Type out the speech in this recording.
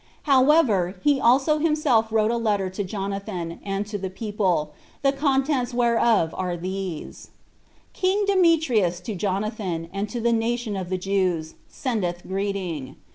However, he also himself wrote a letter to Jonathan, and to the people, the contents whereof are these: "King Demetrius to Jonathan, and to the nation of the Jews, sendeth greeting.